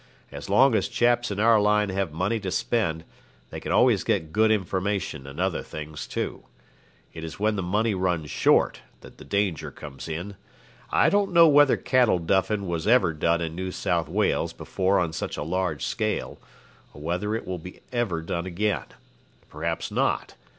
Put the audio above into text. As long as chaps in our line have money to spend, they can always get good information and other things, too. It is when the money runs short that the danger comes in. I don't know whether cattle duffing was ever done in New South Wales before on such a large scale, or whether it will ever be done again. Perhaps not.